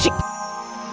saya di belakang bu ranti